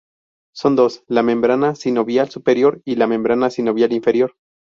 Son dos: La membrana sinovial superior y la membrana sinovial inferior.